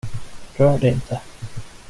Rör det inte!